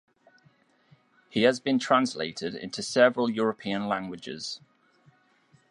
He has been translated into several European languages.